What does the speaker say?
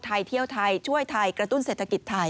เที่ยวไทยช่วยไทยกระตุ้นเศรษฐกิจไทย